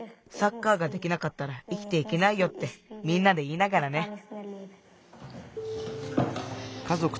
サッカーができなかったら生きていけないよ」ってみんなでいいながらね。